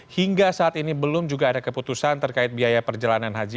hingga saat ini belum juga ada keputusan terkait biaya perjalanan haji